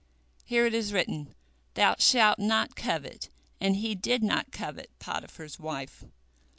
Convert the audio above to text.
Here it is written, Thou shalt not covet, and he did not covet Potiphar's wife."